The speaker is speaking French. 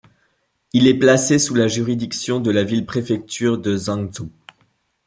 Il est placé sous la juridiction de la ville-préfecture de Zhangzhou.